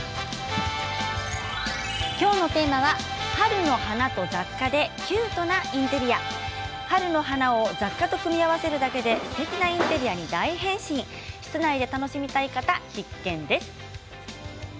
きょうのテーマは春の花と雑貨でキュートなインテリア春の花を雑貨と組み合わせるだけですてきなインテリアに大変身室内で楽しみたい方必見です。